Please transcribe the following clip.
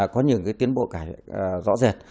có nhiều tiến bộ rõ rệt